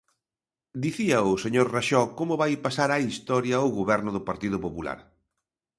Dicía o señor Raxó como vai pasar á historia o Goberno do Partido Popular.